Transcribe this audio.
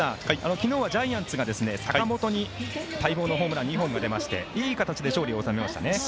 昨日はジャイアンツが坂本に待望のホームラン２本が出まして、いい形で迎えましたね。